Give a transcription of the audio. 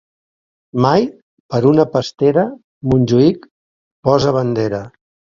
Mai, per una pastera, Montjuïc posa bandera.